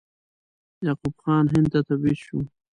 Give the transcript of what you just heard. یعقوب خان هند ته تبعید شو.